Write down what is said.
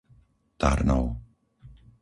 Tarnov